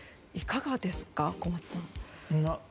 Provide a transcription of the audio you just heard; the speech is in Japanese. いかがですか、小松さん。